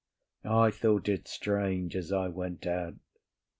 I thought it strange as I went out.